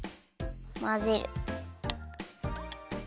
まぜる。